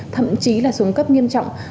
thậm chí là xuống cấp nghiêm trọng